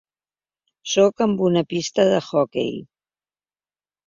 Sóc en una pista d'hoquei.